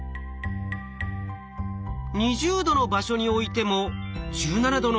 ２０℃の場所に置いても１７℃の方へ移動。